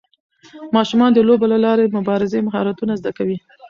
ماشومان د لوبو له لارې د مبارزې مهارتونه زده کوي.